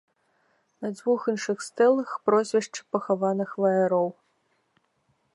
На дзвюх іншых стэлах прозвішча пахаваных ваяроў.